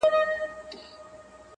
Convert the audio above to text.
• اخ پښتونه چي لښکر سوې نو دبل سوې,